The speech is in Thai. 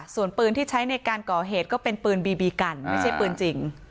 ส่วนปืนที่ใช้ในการก่อเหตุก็เป็นปืนบีบีกันไม่ใช่ปืนจริง